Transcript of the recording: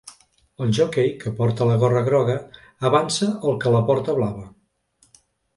El joquei que porta la gorra groga avança el que la porta blava